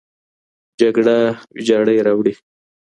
جګړه ویجاړی راوړي.